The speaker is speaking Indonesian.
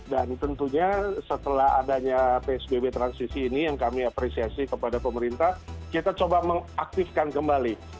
dan tentunya setelah adanya psbb transisi ini yang kami apresiasi kepada pemerintah kita coba mengaktifkan kembali